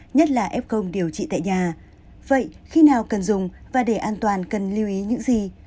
nhất là f công điều trị tại nhà vậy khi nào cần dùng và để an toàn cần lưu ý những gì